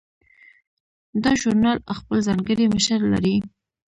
دا ژورنال خپل ځانګړی مشر لري.